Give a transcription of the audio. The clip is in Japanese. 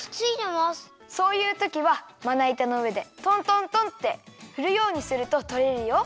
そういうときはまないたのうえでトントントンってふるようにするととれるよ。